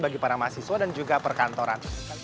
bagi para mahasiswa dan juga perkantoran